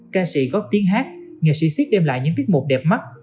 ca sĩ góp tiếng hát nghệ sĩ siếc đem lại những tiết mục đẹp mắt